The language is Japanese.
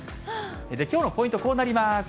きょうのポイント、こうなります。